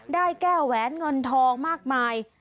ได้แก้วแหวนเงินทองมากมาย